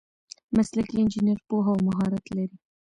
مسلکي انجینر پوهه او مهارت لري.